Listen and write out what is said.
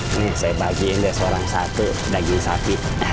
ini saya bagiin deh seorang satu daging sapi